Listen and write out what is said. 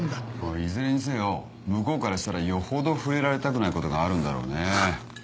いずれにせよ向こうからしたらよほど触れられたくないことがあるんだろうねぇ。